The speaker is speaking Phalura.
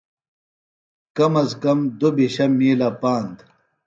کم از کم دُوبھِشہ مِیلہ پاند